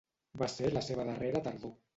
Va ser la seva darrera tardor.